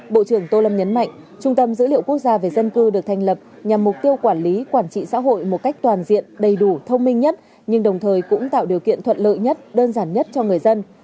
bộ trưởng tô lâm nhấn mạnh trung tâm dữ liệu quốc gia về dân cư được thành lập nhằm mục tiêu quản lý quản trị xã hội một cách toàn diện đầy đủ thông minh nhất nhưng đồng thời cũng tạo điều kiện thuận lợi nhất đơn giản nhất cho người dân